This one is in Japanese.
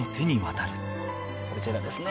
こちらですね。